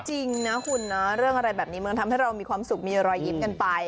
จริงนะคุณนะเรื่องอะไรแบบนี้มันทำให้เรามีความสุขมีรอยยิ้มกันไป